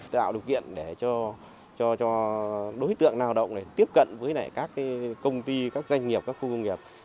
tạo điều kiện để cho đối tượng lao động tiếp cận với các công ty các doanh nghiệp các khu công nghiệp